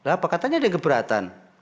apa katanya ada yang keberatan